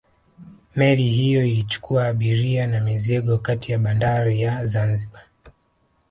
Meli hiyo ilichukua abiria na mizigo kati ya bandari ya Zanzibar